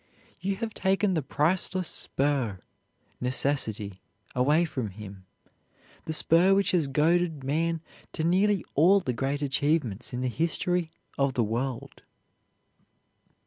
You have taken the priceless spur necessity away from him, the spur which has goaded man to nearly all the great achievements in the history of the world.